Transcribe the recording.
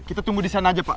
kita tunggu di sana aja pak